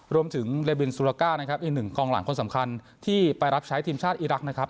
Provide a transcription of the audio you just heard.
รวมถึงเลบินซูลาก้านะครับอีกหนึ่งกองหลังคนสำคัญที่ไปรับใช้ทีมชาติอีรักษ์นะครับ